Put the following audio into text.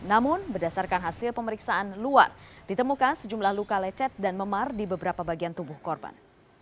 namun berdasarkan hasil pemeriksaan luar ditemukan sejumlah luka lecet dan memar di beberapa bagian tubuh korban